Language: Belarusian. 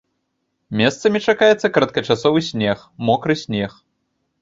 Месцамі чакаецца кароткачасовы снег, мокры снег.